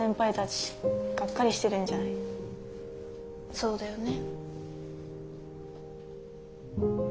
そうだよね。